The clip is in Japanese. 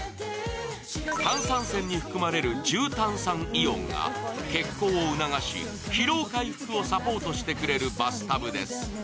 炭酸泉に含まれる重炭酸イオンが血行を促し、疲労回復をサポートしてくれるバスタブです。